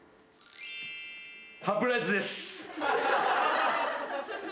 ハプライズです。